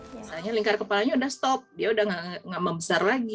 misalnya lingkar kepalanya sudah stop dia sudah tidak membesar lagi